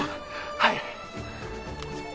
はい！